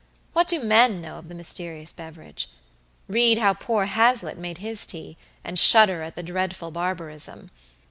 What do men know of the mysterious beverage? Read how poor Hazlitt made his tea, and shudder at the dreadful barbarism.